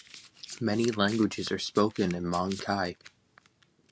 Many languages are spoken in Mong Cai.